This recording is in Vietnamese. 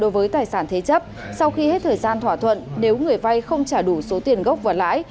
đối với tài sản thế chấp sau khi hết thời gian thỏa thuận nếu người vay không trả đủ số tiền gốc và lãi